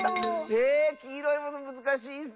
えきいろいものむずかしいッス！